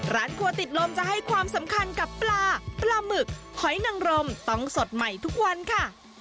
ร้านครัวติดลมจะให้ความสำคัญกับปลาปลาหมึกหอยนังรมต้องสดใหม่ทุกวันค่ะ